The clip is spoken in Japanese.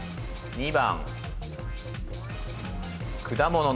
２番。